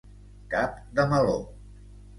Cap de meló.